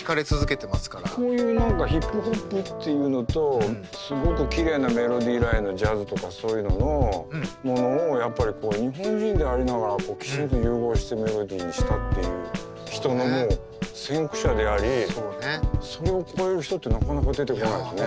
こういう何かヒップホップっていうのとすごくきれいなメロディーラインのジャズとかそういうののものをやっぱり日本人でありながら融合してメロディーにしたっていう人の先駆者でありそれを超える人ってなかなか出てこないよね。